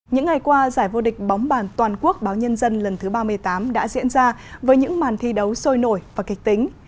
những ngày qua giải vô địch bóng bàn toàn quốc báo nhân dân lần thứ ba mươi tám đã diễn ra với những màn thi đấu sôi nổi và kịch tính